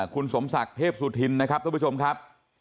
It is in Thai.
คุณสมศักดิ์เทพสุธินนะครับทุกผู้ชมครับ